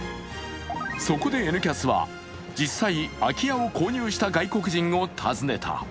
そこで「Ｎキャス」は実際、空き家を購入した外国人を訪ねた。